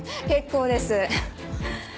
結構です。